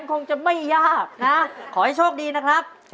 ขอให้โชคดีนะครับ